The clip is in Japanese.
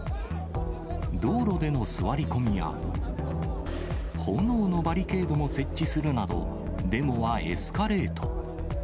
道路での座り込みや、炎のバリケードも設置するなど、デモはエスカレート。